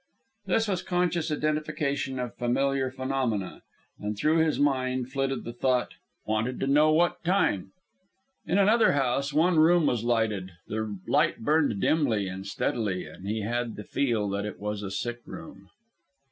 This was conscious identification of familiar phenomena, and through his mind flitted the thought, "Wanted to know what time." In another house one room was lighted. The light burned dimly and steadily, and he had the feel that it was a sick room.